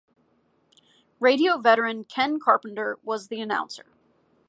Radio veteran Ken Carpenter was the announcer.